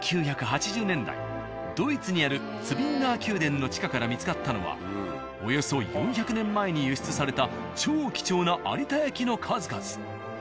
１９８０年代ドイツにあるツヴィンガー宮殿の地下から見つかったのはおよそ４００年前に輸出された超貴重な有田焼の数々。